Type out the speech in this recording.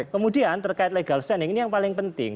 kemudian terkait legal standing ini yang paling penting